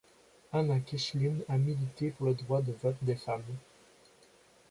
Anna Keichline a milité pour le droit de vote des femmes.